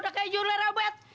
udah kayak jurulera bet